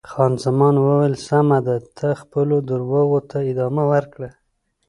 خان زمان وویل: سمه ده، ته خپلو درواغو ته ادامه ورکړه.